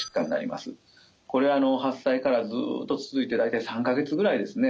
これは発災からずっと続いて大体３か月ぐらいですね。